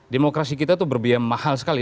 demokrasi kita itu berbiaya mahal sekali